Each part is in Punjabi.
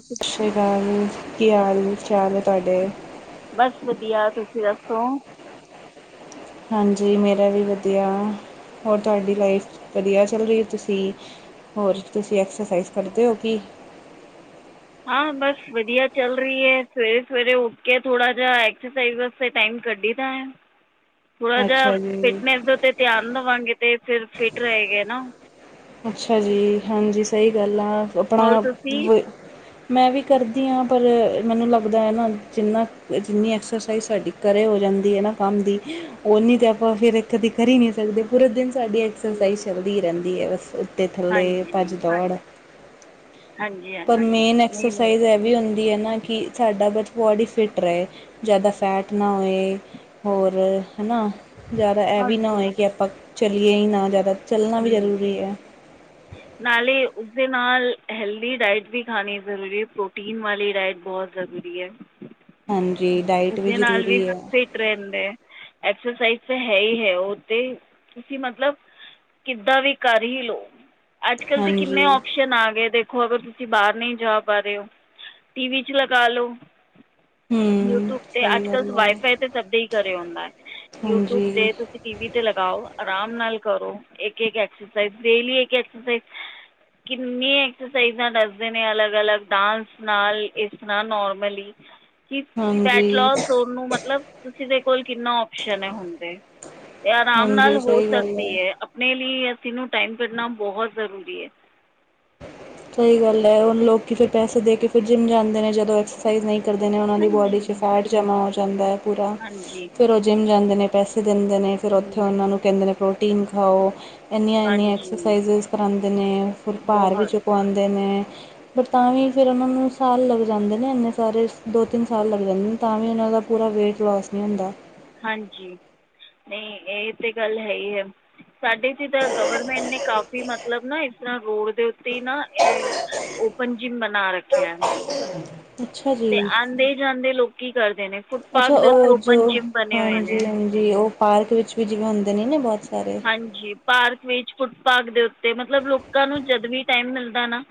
ਸ਼੍ਰੀ ਅਕਾਲ ਸ੍ਰੀ ਅਕਾਲ ਕੀ ਹਾਲ ਚਾਲ ਆ ਤੁਹਾਡੇ। ਬਸ ਵਧੀਆ ਤੁਸੀਂ ਦੱਸੋ। ਹਾਂਜੀ ਮੇਰਾ ਵੀ ਵਧੀਆ ਹੋਰ ਤੁਹਾਡੀ ਲਾਈਫ ਵਧੀਆ ਚੱਲ ਰਹੀ ਹੋ ਤੁਸੀਂ। ਹੋਰ ਤੁਸੀਂ ਐਕਸਰਸਾਈਜ਼ ਕਰਦੇ ਹੋ ਕੀ। ਹਾਂ ਬਸ ਵਧੀਆ ਚੱਲ ਰਹੀ ਹੈ ਸਵੇਰੇ ਸਵੇਰੇ ਉੱਠ ਕੇ ਥੋੜਾ ਜਿਹਾ ਐਕਸਰਸਾਈਜ਼ ਟਾਈਮ ਕੱਢੀ ਤ ਆ ਥੋੜਾ ੜਾ ਜਿਹਾ ਅੱਛਾ ਜੀ ਫਿਟਨਸ ਤੇ ਤਿਆਨ ਵਾਂਗੇ ਤੇ ਫਿਰ ਫਿਟ ਰਹੇ ਗਏ ਨਾ। ਅੱਛਾ ਜੀ ਹਾਂਜੀ ਸਹੀ ਗੱਲ ਆ ਆਪਣਾ। ਹਮ। ਮੈਂ ਵੀ ਕਰਦੀ ਹਾਂ ਪਰ ਮੈਨੂੰ ਲੱਗਦਾ ਹੈ ਨਾ ਜਿੰਨਾ ਜਿੰਨੀ ਐਕਸਰਸਾਈਜ਼ ਸਾਡੀ ਘਰ ਹੋ ਜਾਂਦੀ ਹੈ ਨਾ ਕੰਮ ਦੀ। ਉਹਨੀ ਤੇ ਆਪਾਂ ਫਰ ਕਰੀ ਨੀ ਸਕਦੇ ਪੂਰਾ ਦਿਨ ਸਾਡੀ ਐਕਸਰਸਾਈਜ਼ ਚੱਲਦੀ ਹੀ ਰਹਿੰਦੀ ਹੈ ਬਸ ਉਤੇ ਥੱਲੇ ਭੱਜ ਹਾਂਜੀ ਦੌੜ ਹਾਂਜੀ ਪਰ ਹਾਂਜੀ ਮੇਨ ਨਹੀਂ ਨਹੀਂ। ਐਕਸਰਸਾਈਜ਼ ਇਹ ਵੀ ਹੁੰਦੀ ਹੈ ਨਾ ਕਿ ਸਾਡਾ ਬ ਬੋਡੀ ਫਿਟ ਰਹੇ ਜ਼ਿਆਦਾ ਫੈਟ ਨਾ ਹੋਏ। ਹੋਰ ਹਨਾ। ਜ਼ਿਆਦਾ ਇਹ ਵੀ ਨਾ ਹਾਂਜੀ ਹੋਏ ਕਿ ਆਪਾਂ ਚੱਲੀਏ ਹੀ ਨਾ ਜ਼ਿਆਦਾ ਚੱਲਣਾ ਵੀ ਹਮ, ਜ਼ਰੂਰੀ ਹੈ। [inaudible] ਨਾਲੇ ਉਸਦੇ ਨਾਲ ਹੈਲਦੀ ਡਾਇਟ ਵੀ ਖਾਣੀ ਜ਼ਰੂਰੀ ਪ੍ਰੋਟੀਨ ਵਾਲੀ ਡਾਇਟ ਬਹੁਤ ਜ਼ਰੂਰੀ ਹੈ। ਹਾਂਜੀ ਡਾਇਟ ਵੀ ਜ਼ਰੂਰੀ ਹੈ ਟਡ ਹੈ ਐਕਸਰਸਾਈਜ਼ ਤਾਂ ਹੈ ਹੀ ਹੈ ਉਹ ਤੇ ਤੁਸੀਂ ਮਤਲਬ ਕਿੱਦਾਂ ਵੀ ਕਰ ਹੀ ਲੋਓ ਅੱਜ ਕੱਲ ਤੇ ਕਿਨੇ ਹਾਂਜੀ ਓਪਸ਼ਨ ਆ ਗਏ ਦੇ ਖੋ ਅਗਰ ਤੁਸੀਂ ਬਾਹਰ ਨਹੀਂ ਜਾ ਪਾ ਰਹੇ ਹੋ ਟੀਵ ਚ ਲਗਾ ਲੋ ਹਮ ਯੂਟਿਊਬ ਤੇ ਸਹੀ ਅੱਜ ਕਲ ਗੱਲ ਹੈ ਵਾਈਫਾਈ ਤੇ ਸਭਦੇ ਹੀ ਘਰੇ ਹੁੰਦਾ ਯੂਟਿਊਬ ਹਾਂਜੀ ਤੇ ਟੀਵ ਤੇ ਲਗਾਓ ਆਰਾਮ ਨਾਲ ਕਰੋ ਇੱਕ ਐਕਸਰਸਾਈਜ਼ ਡੇਲੀ ਇੱਕ ਐਕਸਰਸਾਈਜ਼ ਕਿੰਨੀਆਂ ਐਕਸਰਸਾਈਜ਼ਾਂ ਦੱਸਦੇ ਨੇ ਅਲੱਗ ਅਲੱਗ ਡਾਂਸ ਨਾਲ ਇਸਰ ਨੋਰਮਲੀ [unintelligible] ਕਿ ਫੈਟ ਹਾਂਜੀ ਲੋਸਟ ਨੂੰ ਮਤਲਬ ਤੁਸੀਂ ਦੇ ਕੋਲ ਕਿੰਨਾ ਓ ਹੁੰਦੇ ਤੇ ਆਰਾਮ ਨਾਲ ਹਾਂਜੀ ਹੋ ਸਹੀ ਗੱਲ ਸਕਦੀ ਹੈ ਆਪਣੇ ਲਈ ਅਸੀਂਨ ਟਾਈਮ ਕਢਨਾ ਬਹੁਤ ਜ਼ਰੂਰੀ ਹੈ ਸਹੀ ਗੱਲ ਹੈ ਹੁਣ ਲੋਕ ਫਿਰ ਪੈਸੇ ਦੇ ਕੇ ਫਿਰ ਜਿੰਮ ਜਾਂਦੇ ਨੇ ਜਦੋਂਕ ਉਹ ਦੀ ਹਾਂਜੀ ਬੋਡੀ ਚ ਫ਼ੇਟ ਜਾਂਦਾ ਹਾਂਜੀ ਪਿਰ ਜਿੰਮ ਜਾਂਦੇ ਨੇ ਪੈਸੇ ਦਿੰਦੇ ਨੇ ਫਿਰ ਉੱਥੇ ਹੂੰ ਉਹਨਾਂ ਨੂੰ ਕਹਿੰਦੇ ਨੇ ਪ੍ਰੋਟੀਨ ਖਾਓ ਇੰਨੀਆਂ ਇੰਨੀਆਂ ਹਾਂਜੀ ਐਕਸਰਸਾਈਜ਼ਿਸ ਕਰਵਾਉਂਦੇ ਨੇ ਫੁੱਲ ਭਾਰ ਵੀ ਬਹੁਤ ਚੁਕਵਾਉਂਦੇ ਨੇ ਬਟ ਤਾਂ ਵੀ ਫਿਰ ਉਹਨਾਂ ਨੂੰ ਸਾਲ ਲੱਗ ਜਾਂਦੇ ਨੇ ਇੰਨੇ ਸਾਰੇ ਦੋ ਤਿੰਨ ਸਾਲ ਲੱਗ ਜਾਂਦੇ ਨੇ ਤਾਂ ਵੀ ਉਹਨਾਂ ਦਾ ਪੂਰਾ ਵੇਟ ਲਸ ਨਹੀਂ ਹੁੰਦਾ ਹਾਂਜੀ ਨਹੀਂ ਇਹ ਤੇ ਗੱਲ ਹੈ ਹੀ ਹੈ ਸਾਡੇ ਚ ਤਾਂ ਗਵਰਮੈਂਟ ਨੇ ਕਾਫੀ ਮਤਲਬ ਨਾ ਇਸ ਤਰ੍ਹਾਂ ਰੋਡ ਦੇ ਉੱਤੇ ਹੀ ਨਾ ਇਹ ਓਪਨ ਜਿਮ ਬਣਾ ਰੱਖਿਆ ਅੱਛਾ ਤੇ ਜੀ ਆਉਂਦੇ ਜਾਂਦੇ ਲੋਕ ਕੀ ਕਰਦੇ ਨੇ ਅੱਛਾ ਫੁੱਟਪਥ ਦੇ ਉੱਤੇ ਉਹ ਓਪਨ ਜੋ ਜਿੰਮ ਬਣੇ ਹੋਏ ਹਾਂਜੀ ਨੇ ਹਾਂਜੀ ਉਹ ਪਾਰਕ ਵਿੱਚ ਵੀ ਜਿਵੇਂ ਹੁੰਦੇ ਨੇ ਨਾ ਬਹੁਤ ਸਾਰੇ ਹਾਂਜੀ ਪਾਰਕ ਵਿੱਚ ਫੁੱਟਪਥ ਦੇ ਉੱਤੇ ਮਤਲਬ ਲੋਕਾਂ ਨੂੰ ਜਦ ਵੀ ਟਾਈਮ ਮਿਲਦਾ ਨਾ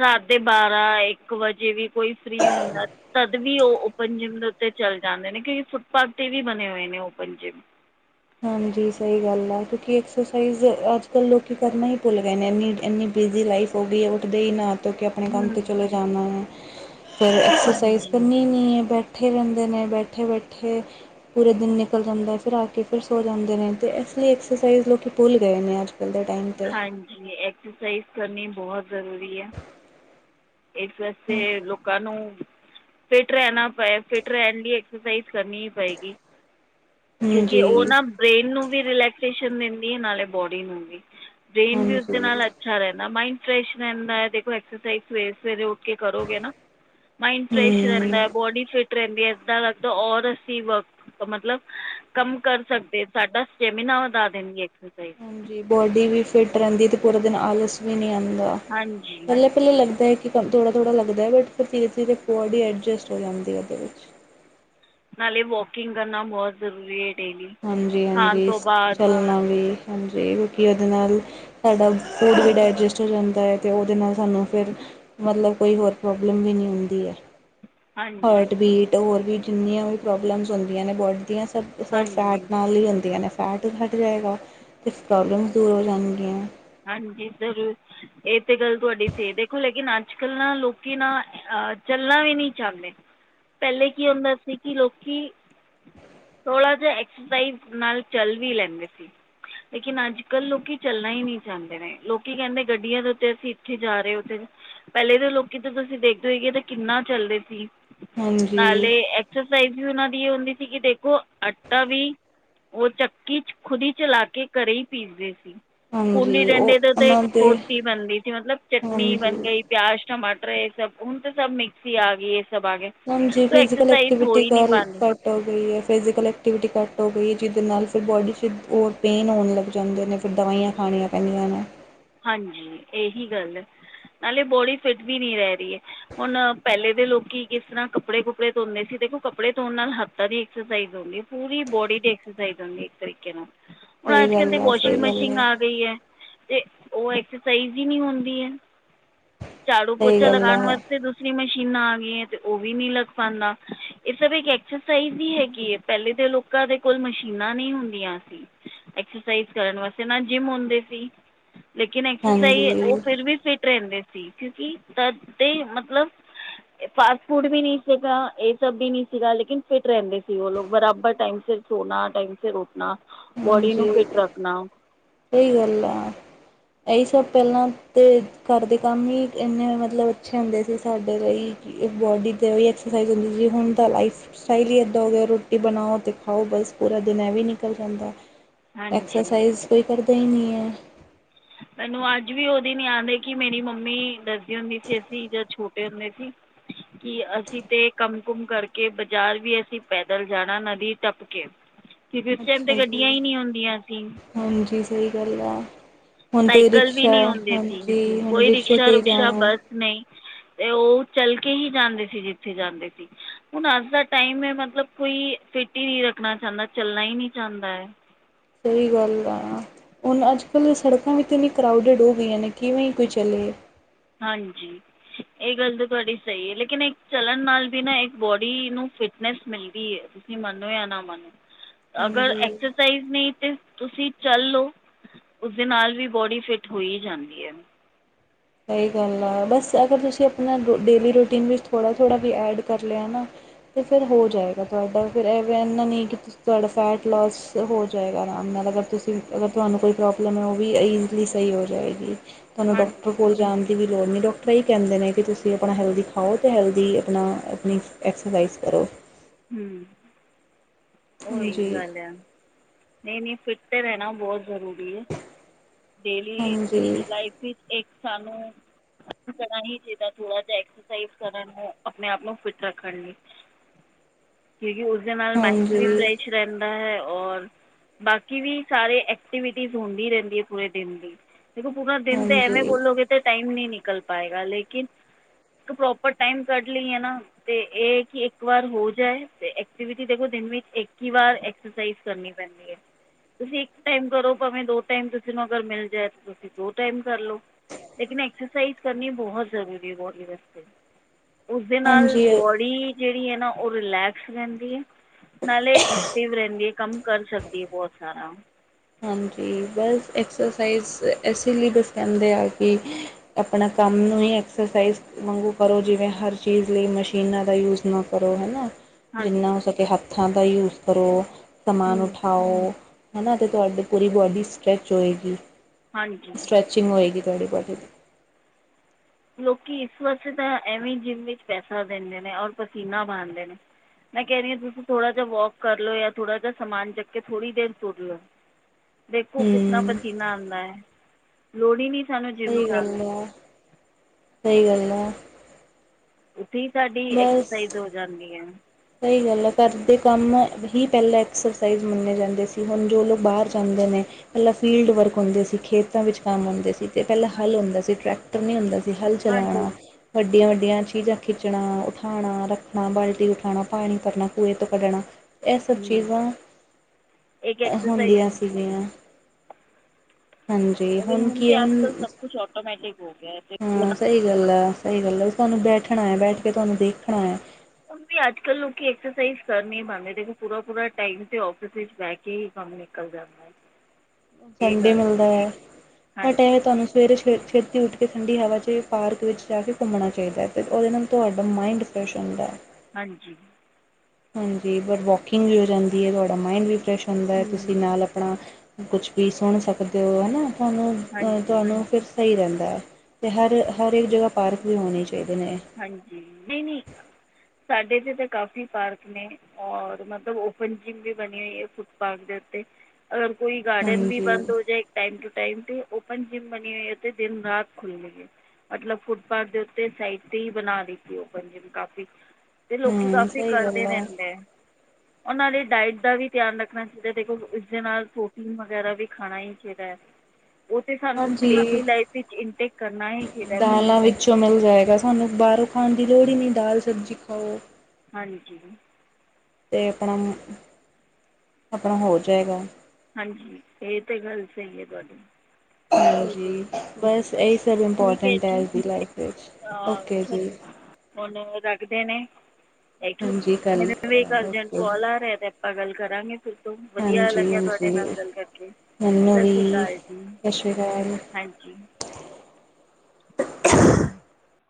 ਰਾਤ ਦੇ ਬਾਰਾਂ ਇੱਕ ਵਜੇ ਵੀ ਕੋਈ ਫ੍ਰਰੀ ਹੁੰਦਾ ਤਦ ਵੀ ਉਹ ਓਪਨ ਜਿੰਮ ਦੇ ਉੱਤੇ ਚੱਲ ਜਾਂਦੇ ਨੇ ਕਿਉਂਕਿ ਫੁੱਟਪਾਥ ਤੇ ਵੀ ਬਣੇ ਹੋਏ ਨੇ ਓਪਨ ਜਿੰਮ ਹਾਂਜੀ ਸਹੀ ਗੱਲ ਆ ਕਿਉਂਕਿ ਐਕਸਰਸਾਈਜ਼ ਅੱਜ ਕੱਲ੍ਹ ਲੋਕ ਕਰਨਾ ਹੀ ਭੁੱਲ ਗਏ ਨੇ ਇੰਨੀ ਇੰਨੀ ਬਿਜ਼ੀ ਲਾਈਫ ਉਹ ਵੀ ਉੱਠਦੇ ਹੀ ਨਾ ਕਿਉਂਕਿ ਆਪਣੇ ਕੰਮ ਤੇ ਹੂੰ ਚਲੇ ਜਾਂਨਾ ਵੈਂ, ਫਿਰ ਐਕਸਰਸਾਈਜ਼ ਹਾਂਜੀ ਕਰਨੀ ਨੀ ਏ, ਬਟ ਠੇ ਰਹਿੰਦੇ ਨੇ, ਬੈਠੇ-ਬੈਠੇ ਪੂਰਾ ਦਿਨ ਨਿਕਲ ਜਾਂਦਾ, ਫਿਰ ਆ ਕੇ ਫਿਰ ਸੋ ਜਾਂਦੇ ਨੇ, ਤੇ ਇਸ ਲਈ ਐਕਸਰਸਾਈਜ਼ ਲੋਕੀ ਭੁੱਲ ਗਏ ਨੇ, ਅੱਜ-ਕੱਲ੍ਹ ਦੇ ਟਾਈਮ ਤੇ। ਹਾਂਜੀ ਐਕਸਰਸਾਈਜ਼ ਕਰਨੀ ਬਹੁਤ ਜ਼ਰੂਰੀ ਐ। ਇਸ ਵਾਸਤੇ ਲੋਕਾਂ ਨੂੰ ਫਿਟ ਰਹਿਣਾ ਪਏ, ਫਿਟ ਰਹਿਣ ਲਈ ਐਕਸਰਸਾਈਜ਼ ਕਰਨੀ ਪਏਗੀ। ਕਿਉਕਿ, ਉਹ ਹਾਂਜੀ ਨਾ ਬ੍ਰੇਨ ਨੂੰ ਵੀ ਰਿਲੈਕਸੇਸ਼ਨ ਦਿੰਦੀ ਐ, ਨਾਲੇ ਬੋਡੀ ਨੂੰ ਵੀ। ਬ੍ਰੇਨ ਵੀ ਉਸਦੇ ਹਾਂਜੀ ਨਾਲ ਅੱਛਾ ਰਹਿੰਦਾ। ਮਾਇੰਡ ਫਰੈਸ਼ ਰਹਿੰਦਾ, ਦੇਖੋ ਐਕਸ ਸਵੇਰ-ਸਵੇਰੇ ਉ ਕੇ ਕਰੋਗੇ ਨਾ, ਮਾਇੰਡ ਫਰੈਸ਼ ਹਮ ਰਹਿੰਦਾ, ਬੋਡੀ ਫਿਟ ਰਹਿੰਦੀ, ਏਦਾਂ ਲੱਗਦਾ ਔਰ ਅਸੀਂ ਵਰ ਮਤਲਬ ਕੰਮ ਕਰ ਸਕਦੇ, ਸਾਡਾ ਸਟੈਮੀਨਾ ਵਧਾ ਦਿੰਦੀ ਐਕਸਰਸਾਈਜ਼। ਜੀ, ਬੋਡੀ ਵੀ ਫਿਟ ਰਹਿੰਦੀ ਤੇ ਪੂਰਾ ਦਿਨ ਆਲਸ ਵੀ ਨੀ ਆਂਦਾ, ਹਾਂਜੀ ਮਲਬ ਪਹਿਲੇ ਲੱਗਦਾ ਐ ਕਿ ਕ ਥੋੜ੍ਹਾ-ਥੋੜ੍ਹਾ ਲਗਦਾ, ਬ ਫ ਧੀ ਧੀਰੇ ਬੋਡੀ ਐਡਜਸਟ ਹੋ ਜਾਂਦੀ ਉਹਦੇ ਵਿੱਚ ਨਾਲੇ ਵੋਕਿੰਗ ਕਰਨਾ ਬਹੁਤ ਜ਼ਰੂਰੀ ਏ। ਹਾਂਜੀ-ਹਾਂਜੀ ਚੱਲਣਾ ਵੀ, ਹਾਂਜੀ ਓ ਕੀ ਉਹਦੇ ਨਾਲ ਸਾਡਾ ਫੂਡ ਵੀ ਡਾਇਜੈਸਟ ਹੋ ਜਾਂਦਾ ਐ ਤੇ ਉਹਦੇ ਨਾਲ ਸਾਨੂੰ ਫਿਰ ਮਤਲਬ ਕੋਈ ਹੋਰ ਪ੍ਰੋਬਲਮ ਵੀ ਨਹੀਂ ਹੁੰਦੀ ਐ। ਹਾਂਜੀ ਹਾਟ-ਬੀਟ, ਹੋਰ ਵੀ ਜਿੰਨੀਆਂ ਵੀ ਪ੍ਰੋਬਲਮਸ ਹੁੰਦੀਆਂ ਨੇ ਬੋਡੀ ਦੀਆਂ ਸਭ ਹਾਂਜੀ। ਜਾਂਦੀਆਂ ਨੇ ਫੈਟ ਵੀ ਹਟ ਜਾਏਗਾ, ਕੁਛ ਪ੍ਰੋਬਲਮਸ ਦੂਰ ਹੋ ਜਾਣਗੀਆਂ। ਹਾਂਜੀ, ਜ਼ਰੂਰ ਇਹ ਤੇ ਗੱਲ ਤੁਹਾਡੀ ਸਹੀ, ਦੇਖੋ ਲੇਕਿਨ ਅੱਜ-ਕੱਲ੍ਹ ਨਾ, ਲੋਕੀ ਨਾ ਆ, ਚੱਲਣਾ ਵੀ ਨਹੀਂ ਚਾਹੁੰਦੇ, ਪਹਿਲੇ ਕੀ ਹੁੰਦਾ ਸੀ ਕਿ ਲੋਕੀ ਥੋੜਾ ਜਿਹਾ ਐਕਸਰਸਾਈਜ਼ ਨਾਲ ਚੱਲ ਵੀ ਲੈਂਦੇ ਸੀ। ਲੇਕਿਨ ਅੱਜ-ਕੱਲ੍ਹ ਲੋਕੀ ਚੱਲਣਾ ਈ ਨੀ ਚਾਂਹਦੇ ਨੇ, ਲੋਕੀ ਕਹਿੰਦੇ ਗੱਡੀਆਂ ਦੇ ਉੱਤੇ ਅਸੀਂ ਇੱਥੇ ਜਾ ਰੇ, ਉਥੇ ਪਹਿਲੇ ਦੇ ਲੋਕੀ ਤਾਂ ਤੁਸੀਂ ਦੇਖਦੇ ਹੋਏ ਕਿ, ਇਹ ਤੇ ਕਿੰਨਾ ਚੱਲਦੇ ਸੀ। ਹਾਂਜੀ ਨਾਲੇ ਸਫ਼ਾਈ ਵੀ ਉਹਨਾਂ ਦੀ ਇਹ ਹੁੰਦੀ ਸੀ ਕਿ ਦੇਖੋ, ਆਟਾ ਵੀ ਉਹ ਚੱਕੀ 'ਚ ਖੁਦ ਈ ਚਲਾ ਕੇ, ਘਰੇ ਈ ਪੀਸਦੇ ਸੀ। ਹਾਂਜੀ ਉਹ ਕੂਡੀ-ਡੰਡੇ ਦੇ ਉਤੇ ਉਹਨਾਂ ਦੇ ਖੋਤੀ ਬਣਦੀ ਸੀ, ਮਤਲਬ ਚਟਨੀ ਬਣ ਹਾਂਜੀ ਗਈ ਪਿਆਜ, ਟਮਾਟਰ ਇਹ ਸਭ, ਹੁਣ ਤਾਂ ਸਭ ਮਿਕਸੀ ਆ ਗੀ ਏ, ਇਹ ਸਭ ਆ ਗੇ। ਹਾਂਜੀ, ਫਿਜੀਕ਼ਲ ਐਕਟੀਵਿਟੀ ਕਰ-ਕਰ ਘੱਟ ਹੋ ਗਈ ਐ, ਫਿਜੀਕਲ ਐਕਟੀਵਿਟੀ ਘੱਟ ਹੋ ਗ‌ਈ ਏ, ਜਿਹਦੇ ਨਾਲ ਫਿਰ ਬੋਡੀ 'ਚ ਉਹ ਪੇਨ ਹੋਣ ਲੱਗ ਜਾਂਦੇ ਨੇ। ਫਿਰ ਦਵਾਈਆਂ ਖਾਣੀਆਂ ਪੈਂਦੀਆਂ ਨੇ। ਹਾਂਜੀ, ਇਹੀ ਗੱਲ ਐ, ਨਾਲੇ ਬੋਡੀ ਫਿਟ ਵੀ ਨੀ ਰਹਿ ਰਹੀ ਐ। ਹੁਣ ਪਹਿਲੇ ਦੇ ਲੋਕੀ ਕਿਸ ਤਰ੍ਹਾਂ ਕੱਪੜੇ-ਕੁੱਪੜੇ ਧੋਂਦੇ ਸੀ। ਦੇਖੋ ਕੱਪੜੇ ਧੋਣ ਨਾਲ ਹੱਥ ਦੀ ਐਕਸਰਸਾਈਜ਼ ਹੁੰਦੀ, ਪੂਰੀ ਬੋਡੀ ਦੀ ਐਕਸਰਸਾਈਜ਼ ਹੁੰਦੀ ਇੱਕ ਤਰੀਕੇ ਨਾ। ਹੁਣ ਸਹੀ ਅੱਜ-ਕਲ੍ਹ ਤੇ ਗੱਲ ਆ ਵੋਸ਼ਿੰਗ ਸਹੀ ਗੱਲ ਮਸ਼ੀਨ ਆ ਗਈ ਐ। ਤੇ ਉਹ ਐਕਸਰਸਾਈਜ਼ ਈ ਨੀ ਹੁੰਦੀ ਐ, ਝਾੜੂ ਸਹੀ ਪੋਚਾ ਗੱਲ ਆ ਲਗਾਣ ਵਾਸਤੇ ਤੇ ਦੂਸਰੀ ਮਸ਼ੀਨਾਂ ਆਗੀਆਂ ਤੇ ਉਹ ਵੀ ਨੀ ਲੱਗ ਪਾਂਦਾ। ਇਹ ਸਭ ਇੱਕ ਐਕਸਰਸਾਈਜ਼ ਈ ਹੈਗੀ ਐ, ਪਹਿਲੇ ਦੇ ਲੋਕਾਂ ਦੇ ਕੋਲ਼ ਮਸ਼ੀਨਾਂ ਨਹੀਂ ਹੁੰਦੀਆਂ ਸੀ। ਐਕਸਰਸਾਈਜ਼ ਕਰਨ ਵਾਸਤੇ ਨਾ ਜਿੰਮ ਹੁੰਦੇ ਸੀ। ਲੇਕਿਨ ਐਕਸਰਸਾਈਜ਼, ਉਹ ਹਾਂਜੀ ਫਿਰ ਵੀ ਫਿਟ ਰਹਿੰਦੇ ਸੀ, ਕਿਉਂਕਿ ਤਦ ਦੇ ਮਤਲਬ ਫਾਸਟ-ਫੂਡ ਵੀ ਨੀ ਸੀਗਾ, ਇਹ ਸਭ ਵੀ ਨਹੀਂ ਸੀਗਾ, ਲੇਕਿਨ ਫਿਟ ਰਹਿੰਦੇ ਸੀ ਉਹ ਲੋਕ, ਬਰਾਬਰ ਟਾਈਮ ਸਿਰ ਸੋਣਾ ਟਾਈਮ ਸਿਰ ਉੱਠਣਾ, ਬੋਡੀ ਨੂੰ ਹਾਂਜੀ ਫਿਟ ਰੱਖਣਾ। ਸਹੀ ਗੱਲ ਐ। ਇਹੀ ਸਭ ਪਹਿਲਾਂ ਤਾਂ ਘਰ ਦੇ ਕੰਮ ਹੀ ਇੰਨੇ ਮਤਲਬ ਅੱਛੇ ਹੁੰਦੇ ਸੀ ਸਾਡੇ ਲਈ। ਬੋਡੀ 'ਤੇ ਵੀ ਐਕਸਰਸਾਈਜ਼ ਹੁੰਦੀ ਸੀ। ਹੁਣ ਤਾਂ ਲਾਈਫ ਸਟਾਈਲ ਹੀ ਇੱਦਾਂ ਹੋ ਗਿਆ। ਰੋਟੀ ਬਣਾਓ ਅਤੇ ਖਾਓ ਬਸ ਪੂਰਾ ਦਿਨ ਇਹ ਵੀ ਨਿਕਲ ਜਾਂਦਾ। ਹਾਂਜੀ ਐਕਸਰਸਾਈਜ਼ ਕੋਈ ਕਰਦਾ ਹੀ ਨਹੀਂ ਹੈ। ਮੈਨੂੰ ਅੱਜ ਵੀ ਉਹ ਦਿਨ ਯਾਦ ਹੈ ਕਿ ਮੇਰੀ ਮੰਮੀ ਦੱਸਦੀ ਹੁੰਦੀ ਸੀ, ਅਸੀਂ ਜਦੋਂ ਛੋਟੇ ਹੁੰਦੇ ਸੀ। ਕਿ ਅਸੀਂ ਤੇ ਕੰਮ ਕੁੰਮ ਕਰਕੇ ਬਾਜ਼ਾਰ ਵੀ ਅਸੀਂ ਪੈਦਲ ਜਾਣਾ ਨਦੀ ਟੱਪ ਕੇ। ਕਿਸੇ ਟਾਈਮ ਤੇ ਅੱਛਾ ਜੀ, ਗੱਡੀਆਂ ਹੀ ਨਹੀਂ ਆਂਦੀਆਂ ਸੀ। ਹਾਂਜੀ ਸਹੀ ਗੱਲ ਆ। ਹੁਣ ਤੇ ਸਾਈਕਲ ਵੀ ਰਿਕਸ਼ਾ ਨਹੀਂ ਹੁੰਦੇ ਸੀ ਹਾਂਜੀ ਹੁਣ ਕੋਈ ਰਿਕਸ਼ੇ ਰਿਕਸ਼ਾ ਤੇ ਹੀ ਰੁਕਸ਼ਾ ਜਾਣਾ। ਬੱਸ ਨਹੀਂ ਤੇ ਉਹ ਚਲ ਕੇ ਹੀ ਜਾਂਦੇ ਸੀ ਜਿੱਥੇ ਜਾਂਦੇ ਸੀ। ਹੁਣ ਅੱਜ ਦਾ ਟਾਈਮ ਮਤਲਬ ਕੋਈ ਫਿਟ ਹੀ ਨਹੀਂ ਰੱਖਣਾ ਚਾਹੁੰਦਾ ਚੱਲਣਾ ਹੀ ਨਹੀਂ ਚਾਹੁੰਦਾ ਹੈ। ਸਹੀ ਗੱਲ ਆ। ਹੁਣ ਅੱਜ ਕੱਲ ਸੜਕਾਂ ਵੀ ਤਾਂ ਇੰਨੀ ਕਰਾਊਡ ਹੋ ਗਈਆਂ ਨੇ ਕਿਵੇਂ ਕੋਈ ਚਲੇ? ਹਾਂਜੀ ਇਹ ਗੱਲ ਤਾਂ ਤੁਹਾਡੀ ਸਹੀ ਹੈ। ਲੇਕਿਨ ਇੱਕ ਚਲਣ ਨਾਲ ਵੀ ਨਾ ਇੱਕ ਬੋਡੀ ਨੂੰ ਫਿਟਨੈਸ ਮਿਲਦੀ ਹੈ। ਤੁਸੀਂ ਮੰਨੋ ਜਾਂ ਨਾ ਮੰਨੋ ਅਗਰ ਐਕਸ ਹਾਂਜੀ। ਐਕਸਰਸਾਈਜ਼ ਨਹੀਂ ਤੇ ਤੁਸੀਂ ਚੱਲ ਲਓ। ਉਸਦੇ ਨਾਲ ਵੀ ਬੋਡੀ ਫਿਟ ਹੋਈ ਜਾਂਦੀ ਹੈ। ਸਹੀ ਗੱਲ ਆ। ਬਸ ਅਗਰ ਤੁਸੀਂ ਆਪਣਾ ਡੇਲੀ ਰੂਟੀਨ ਵਿੱਚ ਥੋੜਾ ਥੋੜਾ ਵੀ ਐਡ ਕਰ ਲਿਆ ਨਾ। ਤੇ ਫਿਰ ਹੋ ਜਾਏਗਾ। ਤੁਹਾਡਾ ਫਿਰ ਐਵੇਂ ਇਨਾ ਨਹੀਂ ਤੁਹਾਡਾ ਫੈਟ ਲੋਸ ਹੋ ਜਾਏਗਾ ਆਰਾਮ ਨਾਲ। ਅਗਰ ਤੁਸੀਂ ਅਗਰ ਤੁਹਾਨੂੰ ਕੋਈ ਪ੍ਰੋਬਲਮ ਹੈ ਉਹ ਵੀ ਇ ਉਹ ਵੀ ਸਹੀ ਹੋ ਜਾਏਗੀ। ਤੁਹਾਨੂੰ ਡਾਕ ਜਾਣ ਦੀ ਵੀ ਲੋੜ ਨਹੀਂ। ਡਾਕਟਰ ਇਹੀ ਕਹਿੰਦੇ ਨੇ ਕਿ ਤੁਸੀਂ ਆਪਣਾ ਹੈਲਦੀ ਖਾਓ ਅਤੇ ਹੈਲਦੀ ਆਪਣਾ ਆਪਣੀ ਐਕਸਰਸਾਈਜ਼ ਕਰੋ। ਹੂੰ ਉਹੀ ਹਾਂਜੀ ਗੱਲ ਆ। ਨਹੀਂ ਨਹੀਂ ਫਿਟ ਤਾਂ ਰਹਿਣਾ ਬਹੁਤ ਜ਼ਰੂਰੀ ਹੈ। ਹਾਂਜੀ ਡੇਲੀ ਲਾਈਫ ਵਿੱਚ ਇੱਕ ਸਾਨੂੰ ਕਹਿਣਾ ਚਾਹੀਦਾ ਥੋੜਾ ਜਿਹਾ ਐਕਸਰਸਾਈਜ਼ ਕਰਨ ਨੂੰ ਆਪਣੇ ਆਪ ਨੂੰ ਫਿਟ ਰੱਖਣ ਲਈ। ਕਿਉਂਕਿ ਉਹਦੇ ਨਾਲ ਮਾਈਂਡ ਵੀ ਹਾਂਜੀ ਫਰੈਸ਼ ਰਹਿੰਦਾ ਹੈ। ਔਰ ਬਾਕੀ ਵੀ ਸਾਰੇ ਐਕਟੀਵਿਟੀਜ਼ ਹੁੰਦੀ ਰਹਿੰਦੀ ਹੈ। ਪੂਰੇ ਦਿਨ ਦੀ ਦੇਖੋ ਪੂਰਾ ਦਿਨ ਤਾਂ ਐਵੇਂ ਹਾਂਜੀ ਬੋਲੋਗੇ ਤੇ ਟਾਈਮ ਨਹੀਂ ਨਿਕਲ ਪਾਏਗਾ ਲੇਕਿਨ ਇੱਕ ਪ੍ਰੋਪਰ ਟਾਈਮ ਕੱਢ ਲਈਏ ਨਾ। ਤੇ ਇਹ ਕਿ ਇੱਕ ਵਾਰ ਹੋ ਜਾਏ ਤੇ ਐਕਟੀਵਿਟੀ ਦੇਖੋ ਦਿਨ ਵਿਚ ਇੱਕ ਹੀ ਵਾਰ ਐਕਸਰਸਾਈਜ਼ ਕਰਨੀ ਪੈਂਦੀ ਹੈ ਤੁਸੀਂ ਇੱਕ ਟਾਈਮ ਕਰੋ ਭਾਵੇਂ ਦੋ ਟਾਈਮ ਫਿਲਮ ਅਗਰ ਮਿਲ ਜਾਏ ਤਾਂ ਤੁਸੀਂ ਦੋ ਟਾਈਮ ਕਰ ਲੋ। ਐਕਸਰਸਾਈਜ਼ ਕਰਨੀ ਬਹੁਤ ਜ਼ਰੂਰੀ ਹੈ ਬੋਡੀ ਵਾਸਤੇ। ਉਸਦੇ ਨਾਲ ਹਾਂਜੀ ਬੋਡੀ ਜਿਹੜੀ ਹੈ ਨਾ ਉਹ ਰਿਲੈਕਸ ਰਹਿੰਦੀ ਹੈ। ਨਾਲੇ ਐਕਟਿਵ ਰਹਿੰਦੀ ਹੈ ਕੰਮ ਕਰ ਸਕਦੀ ਹੈ ਬਹੁਤ ਸਾਰਾ। ਹਾਂਜੀ ਬਸ ਐਕਸਰਸਾਈਜ਼ ਇਸ ਲਈ ਕੁਛ ਕਹਿੰਦੇ ਆ ਕਿ ਆਪਣਾ ਕੰਮ ਨੂੰ ਹੀ ਐਕਸਰਸਾਈਜ਼ ਵਾਂਗੂ ਕਰੋ ਜਿਵੇਂ ਹਰ ਚੀਜ਼ ਲਈ ਮਸ਼ੀਨਾਂ ਦਾ ਯੂਜ਼ ਨਾ ਕਰੋ ਹਨਾ। ਜਿੰਨਾ ਹਾਂਜੀ ਹੋ ਸਕੇ ਹੱਥਾਂ ਦਾ ਯੂਜ ਕਰੋ ਸਮਾਨ ਹੂੰ ਉਠਾਓ ਹਨਾ ਤੇ ਤੁਹਾਡੇ ਪੂਰੀ ਬੋਡੀ ਸਟਰ੍ਰੈਚ ਹੋਏਗੀ। ਹਾਂਜੀ। ਚਿੰਗ ਹੋਈ ਦੀ ਤੁਹਾਡੀ ਬੋਡੀ ਲੋਕੀ ਇਸ ਵਾਸਤੇ ਤਾਂ ਐਵੇਂ ਜਿੰਮ ਵਿੱਚ ਪੈਸਾ ਦਿੰਦੇ ਨੇ ਔਰ ਪਸੀਨਾ ਬਣਦੇ ਨੇ। ਮੈਂ ਕੈ ਰਹੀ ਹਾਂ ਤੁਸੀਂ ਥੋੜਾ ਜੇਹਾ ਵੋਕ ਕਰ ਲ ਲੋ ਜਾਂ ਥੋੜਾ ਜਿਹਾ ਸਮਾਨ ਚੱਕ ਕੇ ਥੋੜ੍ਹੀ ਦੇਰ ਤੁਰ ਲੋ। ਦੇਖੋ ਕਿਤਨਾ ਹਮ ਪਸੀਨਾ ਆਂਦਾ ਹੈ ਲੋੜ ਈ ਨੀ ਸਾਨੂੰ ਜਿਮ ਸਹੀ ਗੱਲ ਜਾਣਦੀ। ਆ ਸਹੀ ਗੱਲ ਨਾ। ਉੱਥੇ ਈ ਸਾਡੀ ਬਸ ਐਕਸਸਾਈਜ਼ ਹੋ ਜਾਂਦੀ ਹੈ। ਸਹੀ ਗੱਲ ਆ ਘਰ ਦੇ ਕੰਮ ਹੀ ਪੈਲਾਂ ਐਕਸਰਸਾਈਜ਼ ਮੰਨੇ ਜਾਂਦੇ ਸੀ ਹੁਣ ਜੋ ਲੋਕ ਬਾਰ ਜਾਂਦੇ ਨੇ। ਪੈਲਾਂ ਫੀਲਡ ਵਰਕ ਹੁੰਦੇ ਸੀ ਖੇਤਾਂ ਵਿੱਚ ਕੰਮ ਹੁੰਦੇ ਸੀ। ਅਤੇ ਪੈਲਾਂ ਹਾਂਜੀ ਹੱਲ ਹੁੰਦਾ ਸੀ ਟਰੈਕਟਰ ਨਹੀਂ ਹੁੰਦਾ ਸੀ ਹੱਲ ਚਲਾਣਾ। ਹਾਂਜੀ ਵੱਡੀਆਂ ਵੱਡੀਆਂ ਚੀਜ਼ਾਂ ਖਿੱਚਣਾ ਉਠਾਣਾ ਰੱਖਣਾ ਬਾਲਟੀ। ਖਾਣਾ ਪਾਣੀ ਭਰਣਾ ਕੂਏ ਤੋਂ ਕੱਢਣਾ ਐ ਸਭ ਹਮ, ਚੀਜ਼ਾਂ ਹੁੰਦੀਆਂ ਸੀਗੀਆਂ। ਹਾਂਜੀ ਹੁਣ ਕੀ ਹੈ ਹੁਣ। ਕੁਛ ਆਟੋਮੈਟਿਕ ਹੋ ਗਿਆ। ਹਾਂ ਸਹੀ ਗੱਲ ਹੈ ਸਹੀ ਗੱਲ ਹੈ ਤੁਹਾਨੂੰ ਬੈਠਣਾ ਹੈ ਬੈਠ ਕੇ ਤੁਹਾਨੂੰ ਦੇਖਣਾ ਹੈ। ਹੁਣ ਵੀ ਅੱਜ ਕੱਲ੍ਹ ਲੋਕੀ ਐਕਸਰਸਾਈਜ਼ ਕਰ ਨੀ ਪਾਂਦੇ ਨੇ ਪੂਰਾ ਪੂਰਾ ਟਾਈਮ ਤੇ ਆਫਿਸ ਵਿੱਚ ਬੈ ਕੇ ਹੀ ਕੰਮ ਨਿਕਲ ਜਾਂਦਾ। ਇਹ ਸੰਡੇ ਗੱਲ ਮਿਲਦਾ ਹੈ ਬਟ ਇਹ ਵੇ ਤੁਹਾਨੂੰ ਸਵੇਰੇ ਛੇ ਛੇਤੀ ਉੱਠ ਕੇ ਠੰਡੀ ਹਵਾ 'ਚ ਪਾਰਕ ਵਿੱਚ ਜਾ ਕੇ ਘੁੰਮਣਾ ਚਾਈਦਾ ਅਤੇ ਉਹਦੇ ਨਾਲ ਤੁਹਾਡਾ ਮਾਇੰਡ ਦਸ਼ਓਂਦਾ। ਹਾਂਜੀ। ਹਾਂਜੀ ਬਟ ਵੋਕਿੰਗ ਵੀ ਹੋ ਜਾਂਦੀ ਹੈ ਤੁਹਾਡਾ ਮਾਇੰਡ ਵੀ ਫਰੈਸ਼ ਹੁੰਦਾ ਹੈ ਤੁਸੀਂ ਹੂੰ ਨਾਲ ਆਪਣਾ ਕੁਛ ਵੀ ਸੁਣ ਸਕਦੇ ਹੋ ਹਨ ਨਾ ਤੁਹਾਨੂੰ ਅਹ ਹਾਂਜੀ ਤੁਹਾਨੂੰ ਫਿਰ ਸਹੀ ਰੈਂਦਾ ਹੈ ਅਤੇ ਹਰ ਹਰ ਇੱਕ ਜਗ੍ਹਾ ਪਾਰਕ ਵੀ ਹੋਣੇ ਚਾਈਦੇ ਨੇ। ਹਾਂਜੀ ਨਹੀਂ ਨਹੀਂ ਸਾਡੇ ਏਥੇ ਤਾਂ ਕਾਫੀ ਪਾਰਕ ਨੇ। ਔਰ ਮਤਲਬ ਓਪਨ ਜਿੰਮ ਵੀ ਬਣੀ ਹੋਈ ਹੈ ਫੁੱਟਪਾਥ ਦੇ ਉੱਤੇ ਅਗਰ ਕੋਈ ਗਾਰਡਨ ਵੀ ਹਾਂਜੀ ਬੰਦ ਹੋ ਜਾਏ। Time to time open gym ਬਣੀ ਹੋਈ ਉੇ ਦਿਨ ਰਾਤ ਖੁੱਲਦੀ ਏ। ਮਤਲਬ ਫੁਟਪਾਥ ਦੇ ਉਤੇ ਸਈਡ ਬਣਾ ਦਿੱਤੀ ਓ ਪੰਜ ਜਵੇ ਕਾਫੀ ਤੇ ਲੋਕੀ ਹਮ ਕਾਫੀ ਸਹੀ ਕਰਦੇ ਗੱਲ ਰੈਂਦੇ ਆ। ਉਹਨਾਂ ਦੀ ਡਾਇਟ ਦਾ ਵੀ ਧਿਆਨ ਰੱਖਣਾ ਚਾਈਦਾ ਹੈ ਦੇਖੋ ਇਸਦੇ ਨਾਲ ਪ੍ਰੋਟੀਨ ਵਗੈਰਾ ਵੀ ਖਾਣਾ ਹੀ ਚਾਈਦਾ ਹੈ। ਉਹ ਤੇ ਸਾਨੂੰ ਡੇਲੀ ਹਾਂਜੀ ਲਾਈਫ ਵਿਚ ਇਨਟੇਕ ਕਰਨਾ ਹੀ ਚਾਈਦਾ ਦਾਲਾਂ ਕੋਚਿੰਗ ਵਿੱਚੋਂ ਮਿਲ ਜਾਏਗਾ। ਤੁਹਾਨੂੰ ਬਾਰੋਂ ਖਾਣ ਦੀ ਲੋੜ ਹੀ ਨਹੀਂ ਦਾਲ ਸਬਜ਼ੀ ਖਾਓ। ਹਾਂਜੀ। ਅਤੇ ਆਪਣਾ ਆਪਣਾ ਹੋ ਜਾਏਗਾ। ਹਾਂਜੀ ਇਹ ਤੇ ਗੱਲ ਸਹੀ ਹੈ ਤੁਹਾਡੀ ਬਿਲਕੁਲ ਹਾਂਜੀ ਬਸ ਇਹੀ ਸਭ ਠੀਕ ਇੰਪੋਰਟੈਂਟ ਹੈ ਜੀ ਅਜ ਦੀ ਲਾਈਫ ਵਿੱਚ ਓਕੇ ਚਲੋ ਜੀ ਹੁਣ ਰੱਖਦੇ ਨੇ ਹਾਂਜੀ ਮ ਕੱਲ ਵੀ ਇੱਕ ਅਰਜੈਂਟ ਓਕੇ ਜੀ ਕਾਲ ਆ ਰੇਐ ਤੇ ਆਪਾਂ ਗੱਲ ਕਰਾਂਗੇ ਫਿਰ ਤੋਂ ਵਧੀਆ ਹਾਂਜੀ ਲੱਗਿਆ ਤੁਹਾਡੇ ਨਾਲ ਹਾਂਜੀ ਗੱਲ ਕਰਕੇ ਸਤਿ ਸ੍ਰੀ ਅਕਾਲ ਜੀ ਅਤੇ ਗੱਲ ਹਾਂਜੀ